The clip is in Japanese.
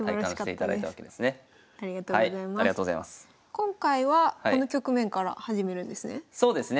今回はこの局面から始めるんですね？